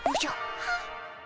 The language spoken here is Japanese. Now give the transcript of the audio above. はっ。